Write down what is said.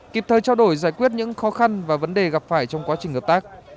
kịp thời trao đổi giải quyết những khó khăn và vấn đề gặp phải trong quá trình hợp tác